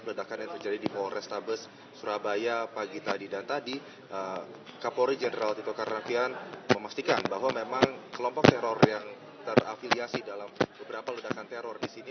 terkait serangkaian memastikan bahwa memang kelompok teror yang terafiliasi dalam beberapa ledakan teror di sini